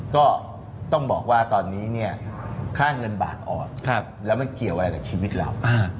ก็ต้องบอกว่าตอนนี้เนี่ยค่าเงินบาทอ่อนแล้วมันเกี่ยวอะไรกับชีวิตเรา